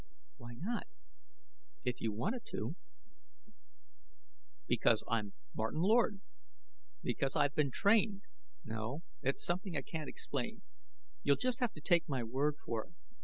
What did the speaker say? "Why not if you wanted to?" "Because I'm Martin Lord; because I've been trained No, it's something I can't explain. You'll just have to take my word for it.